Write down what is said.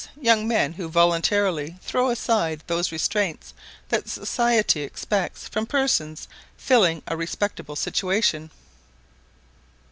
young men who voluntarily throw aside those restraints that society expects from persons filling a respectable situation.